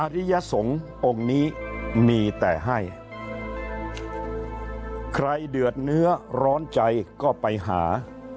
ริยสงฆ์องค์นี้มีแต่ให้ใครเดือดเนื้อร้อนใจก็ไปหา